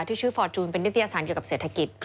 ชื่อฟอร์จูนเป็นนิตยสารเกี่ยวกับเศรษฐกิจ